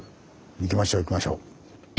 行きましょう行きましょう。